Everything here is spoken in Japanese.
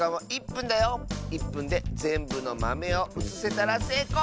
１ぷんでぜんぶのまめをうつせたらせいこう！